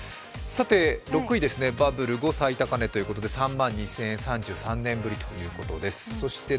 ６位ですね、バブル後最高値ということで３万２０００円、３３年ぶりということです。